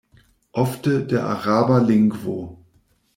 Ofte de Araba lingvo.